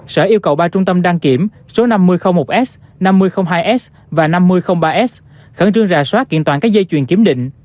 sở yêu cầu ba trung tâm đăng kiểm số năm trăm linh một s năm trăm linh hai s và năm trăm linh ba s khẩn trương rà soát kiện toàn các dây chuyền kiểm định